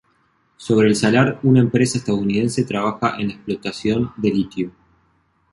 Sobre el salar una empresa estadounidense trabaja en la explotación de litio.